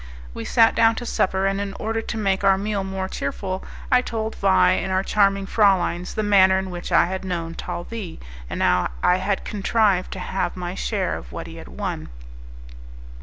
We sat down to supper, and in order to make our meal more cheerful, I told Vais and our charming frauleins the manner in which I had known Talvis, and how I had contrived to have my share of what he had won.